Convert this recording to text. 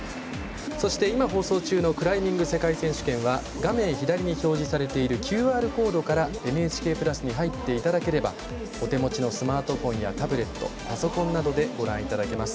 そして今放送中のクライミング世界選手権は画面左に表示されているＱＲコードからＮＨＫプラスに入っていただければお手持ちのスマートフォンやタブレット、パソコンなどでご覧いただけます。